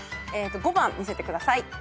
５番見せてください。